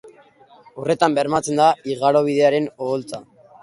Horretan bermatzen da igarobidearen oholtza.